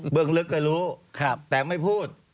เบื้องลึกก็รู้แต่ไม่พูด